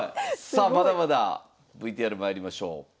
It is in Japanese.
さあまだまだＶＴＲまいりましょう。